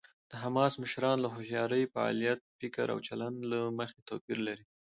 د حماس مشران له هوښیارۍ، فعالیت، فکر او چلند له مخې توپیر لري.